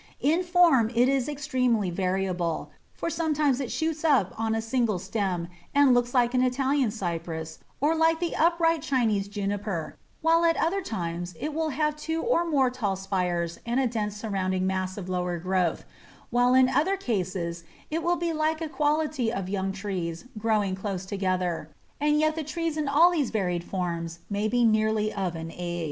In form it is extremely variable, for sometimes it shoots up on a single stem and looks like an Italian Cypress or like the upright Chinese Juniper, while at other times it will have two or more tall spires and a dense surrounding mass of lower growth, while in other cases it will be like a quantity of young trees growing close together, and yet the trees in all these varied forms may be nearly of an age.